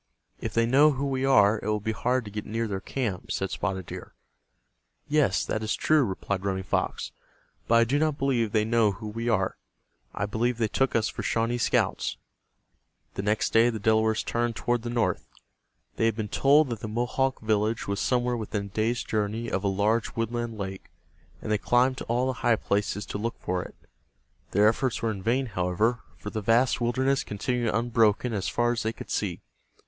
"If they know who we are, it will be hard to get near their camp," said Spotted Deer. "Yes, that is true," replied Running Fox. "But I do not believe they know who we are. I believe they took us for Shawnee scouts." The next day the Delawares turned toward the north. They had been told that the Mohawk village was somewhere within a day's journey of a large woodland lake, and they climbed to all the high places to look for it. Their efforts were in vain, however, for the vast wilderness continued unbroken as far as they could see.